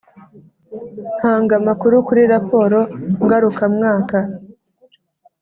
Ntangamakuru kuri raporo ngarukamwaka